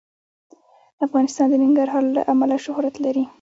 افغانستان د ننګرهار له امله شهرت لري.